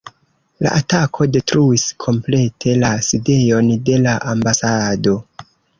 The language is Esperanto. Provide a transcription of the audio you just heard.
La atako detruis komplete la sidejon de la ambasado.